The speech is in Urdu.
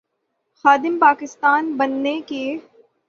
خادم پاکستان بننے کے۔